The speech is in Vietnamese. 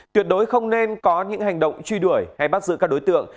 tuyệt đối không nên có những hành động truy đuổi hay bắt giữ các đối tượng